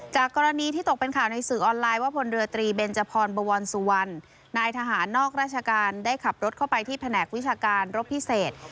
จากกรณีที่ตกเป็นข่าวในสื่อออนไลน์ว่าพลเรือตรีเบนจพรบวรสุวรรณนายทหารนอกราชการได้ขับรถเข้าไปที่แผนกวิชาการรบพิเศษ